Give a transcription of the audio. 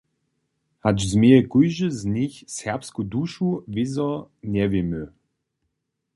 Hač změje kóždy z nich "serbsku dušu", wězo njewěmy.